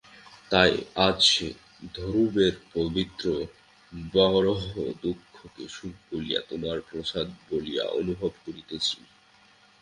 তাই আজ সেই ধ্রুবের পবিত্র বিরহদুঃখকে সুখ বলিয়া, তোমার প্রসাদ বলিয়া অনুভব করিতেছি।